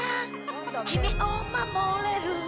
君を守れる？